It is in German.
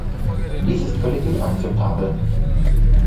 Dies ist völlig inakzeptabel.